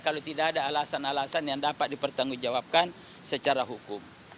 kalau tidak ada alasan alasan yang dapat dipertanggungjawabkan secara hukum